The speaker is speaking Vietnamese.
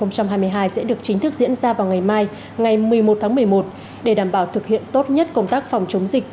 sẽ được chính thức diễn ra vào ngày mai ngày một mươi một tháng một mươi một để đảm bảo thực hiện tốt nhất công tác phòng chống dịch